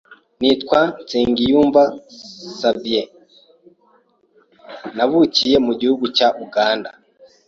Nitwa NSENGIYUMVA Xavier navukiye mu gihugu cya Uganda